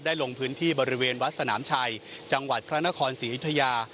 ลงพื้นที่บริเวณวัดสนามชัยจังหวัดพระนครศรีอยุธยา